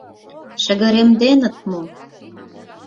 — Шыгыремденыт мо?